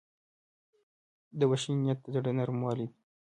د بښنې نیت د زړه نرموالی دی.